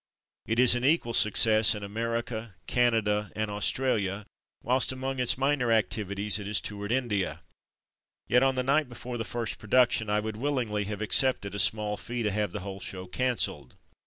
It is an equal success in America, Canada, and Australia, whilst amongst its minor activi ties it has toured India. Yet on the night before the first production, I would willingly have accepted a small fee to have the whole show cancelled.